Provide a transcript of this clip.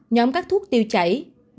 ba nhóm các thuốc tiêu chảy